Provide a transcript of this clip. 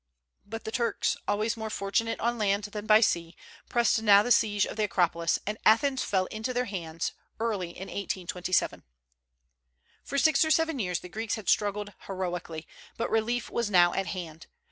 But the Turks, always more fortunate on land than by sea, pressed now the siege of the Acropolis, and Athens fell into their hands early in 1827. For six or seven years the Greeks had struggled heroically; but relief was now at hand.